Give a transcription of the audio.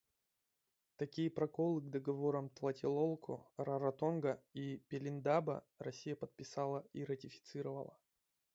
Такие проколы к договорам Тлателолко, Раротонга и Пелиндаба Россия подписала и ратифицировала.